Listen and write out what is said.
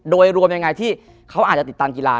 โดยรวมยังไงที่เขาอาจจะติดตามกีฬา